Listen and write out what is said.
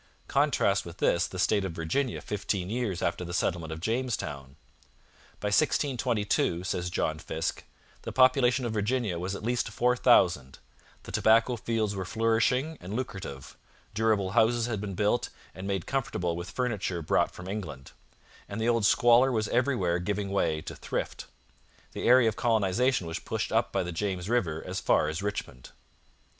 Contrast with this the state of Virginia fifteen years after the settlement of Jamestown. 'By 1622,' says John Fiske, 'the population of Virginia was at least 4000, the tobacco fields were flourishing and lucrative, durable houses had been built and made comfortable with furniture brought from England, and the old squalor was everywhere giving way to thrift. The area of colonization was pushed up the James River as far as Richmond.'